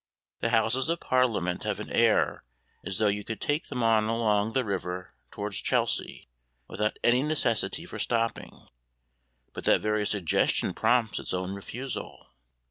The Houses of Parliament have an air as though you could take them on along the river towards Chelsea without any necessity for stopping. But that very suggestion prompts its own refusal.